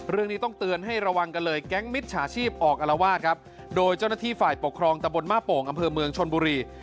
เรื่องนี้ต้องเตือนให้ระวังกันเลยแก๊งมิจฉาชีพออกอารวาสครับโดยเจ้าหน้าที่ฝ่ายปกครองตะบนมาโป่งอำเภอเมืองชนบุรี